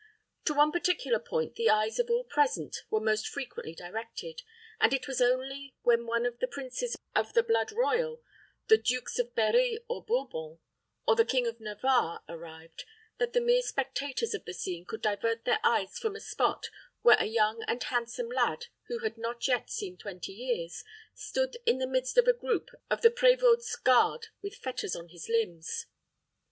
To one particular point the eyes of all present were most frequently directed, and it was only when one of the princes of the blood royal, the Dukes of Berri or Bourbon, or the King of Navarre arrived, that the mere spectators of the scene could divert their eyes from a spot where a young and handsome lad, who had not yet seen twenty years, stood in the midst of a group of the prévôt's guard with fetters on his limbs.